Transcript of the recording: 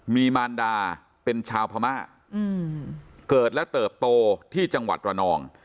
มีมารดาเป็นชาวพม่าเกิดและเติบโตที่จังหวัดระนอง